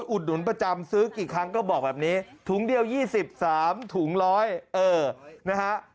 อุดหนุนประจำซื้อกี่ครั้งก็บอกแบบนี้ถุงเดียว๒๓ถุง๑๐๐เออนะฮะ